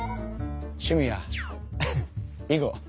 趣味は囲碁。